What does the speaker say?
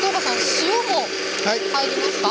塩も入りますか？